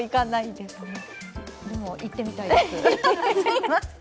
でも、行ってみたいです。